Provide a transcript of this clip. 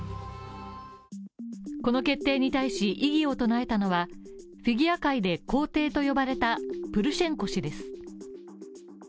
この決定に対し、異議を唱えたのはフィギュア界で皇帝と呼ばれたプルシェンコ氏です。